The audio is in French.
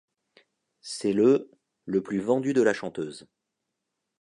C'est le le plus vendu de la chanteuse.